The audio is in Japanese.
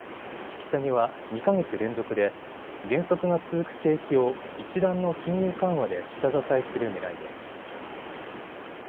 引き下げは２か月連続で減速が続く景気を一段の金融緩和で下支えするねらいです。